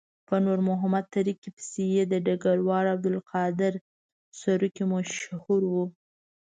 په نور محمد تره کي پسې یې د ډګروال عبدالقادر سروکي مشهور وو.